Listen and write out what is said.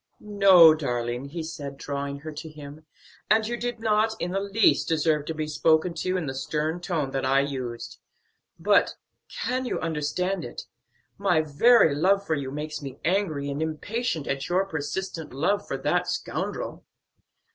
"No, darling!" he said, drawing her to him, "and you did not in the least deserve to be spoken to in the stern tone that I used. But can you understand it? my very love for you makes me angry and impatient at your persistent love for that scoundrel."